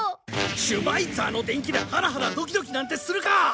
シュバイツァーの伝記でハラハラドキドキなんてするか！